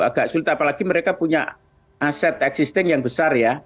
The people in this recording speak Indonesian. agak sulit apalagi mereka punya aset existing yang besar ya